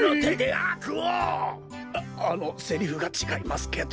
ああのセリフがちがいますけど。